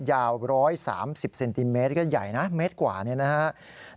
ยาว๑๓๐เซนติเมตรก็ใหญ่นะเมตรกว่าเนี่ยนะครับ